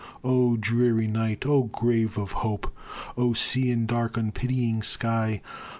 O dreary night! O grave of hope! O sea, and dark, unpitying sky!